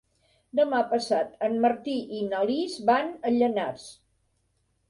Demà passat en Martí i na Lis van a Llanars.